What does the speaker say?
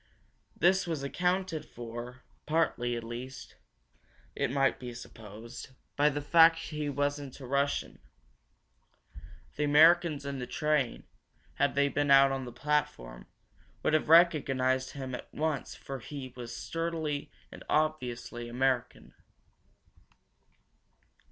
This was accounted for, partly at least, it might be supposed, by the fact that he wasn't a Russian. The Americans in the train, had they been out on the platform, would have recognized him at once for he was sturdily and obviously American.